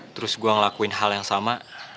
terus gue ngelakuin hal yang sama